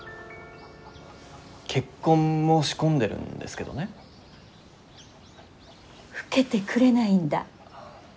結婚申し込んでるんですけどね。受けてくれないんだ。